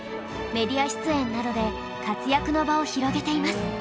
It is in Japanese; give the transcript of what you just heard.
メディア出演などで活躍の場を広げています。